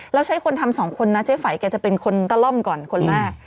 แล้วใช้คนทำ๒คนนะเจ้าฝัยแกจะเป็นคนตะล่อมก่อนคนแรก